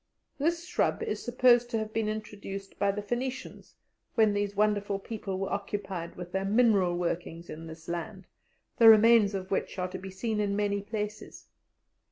This shrub is supposed to have been introduced by the Phoenicians, when these wonderful people were occupied with their mineral workings in this land, the remains of which are to be seen in many places.